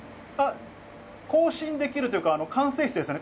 交信できるというか、管制室ですね。